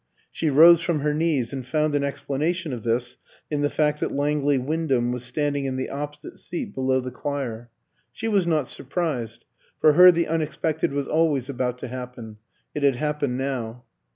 She rose from her knees and found an explanation of this in the fact that Langley Wyndham was standing in the opposite seat below the choir. She was not surprised; for her the unexpected was always about to happen. It had happened now.